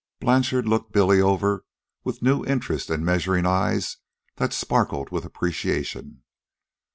Blanchard looked Billy over with new interest and measuring eyes that sparkled with appreciation.